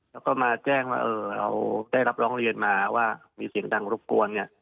แล้วก็มาแจ้งว่าเราได้รับร้องเรียนมาว่ามีเสียงดังรบกวนเนี่ย